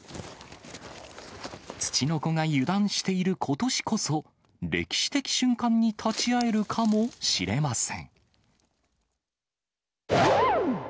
つちのこが油断していることしこそ、歴史的瞬間に立ち会えるかもしれません。